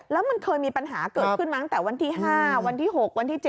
แล้วมันเคยมีปัญหาเกิดขึ้นมาตั้งแต่วันที่๕วันที่๖วันที่๗